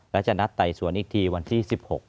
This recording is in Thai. และจะนัดไต่สวนอีกทีวันที่๑๖